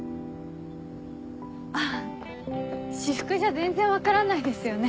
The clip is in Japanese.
あ私服じゃ全然分からないですよね。